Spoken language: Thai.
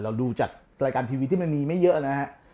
ดูจากรายการทีวีที่มันมีไม่เยอะนะฮะ